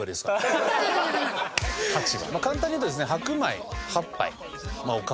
簡単に言うとですね白米８杯！？